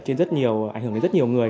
trên rất nhiều ảnh hưởng đến rất nhiều người